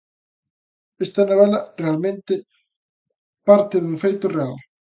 Esta novela realmente parte dun feito real.